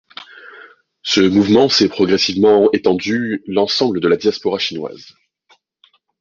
Ce mouvement s'est progressivement étendu l'ensemble de la diaspora chinoise.